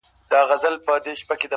• لکه وروڼه یو له بله سره ګران ول -